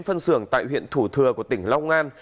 phân xưởng tại huyện thủ thừa của tỉnh long an